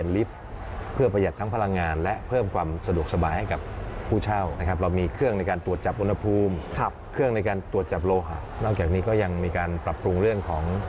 เรากำลังจะเปลี่ยนลิฟต์เพื่อประหยัดทั้งพลังงาน